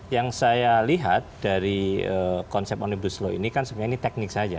yang saya lihat dari konsep omnibus law ini kan sebenarnya ini teknik saja